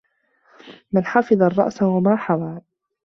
مَنْ حَفِظَ الرَّأْسَ وَمَا حَوَى